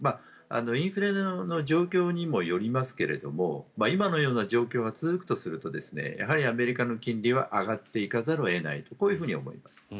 インフレの状況にもよりますけれども今のような状況が続くとするとアメリカの金利は上がっていかざるを得ないと思います。